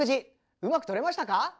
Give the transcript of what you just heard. うまく撮れましたか？